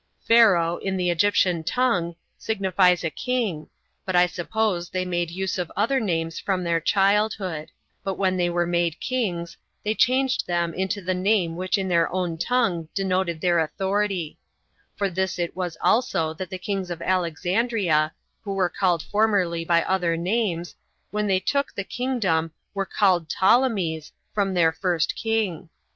Pharaoh, in the Egyptian tongue, signifies a king 15 but I suppose they made use of other names from their childhood; but when they were made kings, they changed them into the name which in their own tongue denoted their authority; for thus it was also that the kings of Alexandria, who were called formerly by other names, when they took the kingdom, were named Ptolemies, from their first king.